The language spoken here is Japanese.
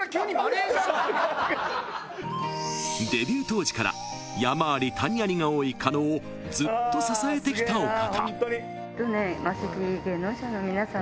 ［デビュー当時から山あり谷ありが多い狩野をずっと支えてきたお方］